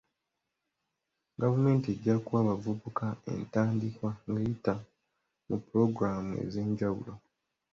Gavumenti ejja kuwa abavubuka entandikwa nga eyita mu pulogulaamu ez'enjawulo.